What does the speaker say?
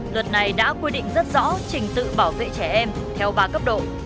luật này đã quy định rất rõ trình tự bảo vệ trẻ em theo ba cấp độ